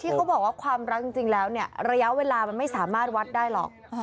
เขาบอกว่าความรักจริงแล้วเนี่ยระยะเวลามันไม่สามารถวัดได้หรอก